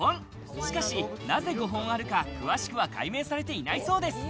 しかし、なぜ５本あるか、詳しくは解明されていないそうです。